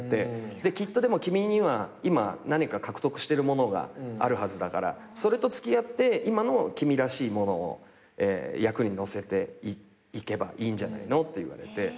「きっとでも君には今何か獲得してるものがあるはずだからそれと付き合って今の君らしいものを役に乗せていけばいいんじゃないの」って言われて。